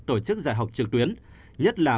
tổ chức giải học trực tuyến nhất là